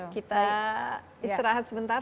kita istirahat sebentar